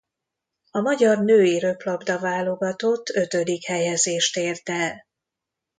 A magyar női röplabda-válogatott ötödik helyezést ért el.